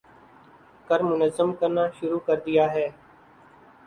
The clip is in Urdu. کر منظم کرنا شروع کر دیا ہے۔